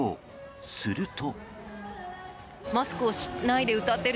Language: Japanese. すると。